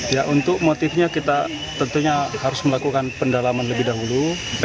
ya untuk motifnya kita tentunya harus melakukan pendalaman lebih dahulu